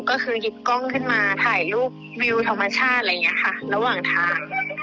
ก็คือหยิบกล้องขึ้นมาถ่ายรูปวิวธรรมชาติอะไรอย่างนี้ค่ะระหว่างทาง